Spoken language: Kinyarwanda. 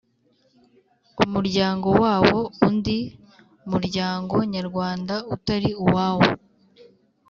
umuryango wawo undi muryango nyarwanda utari uwawo